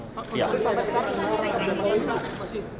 pak kok bersama sama dengan polri